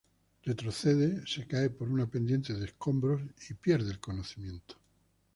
Retrocede, se cae por una pendiente de escombros y pierde el conocimiento.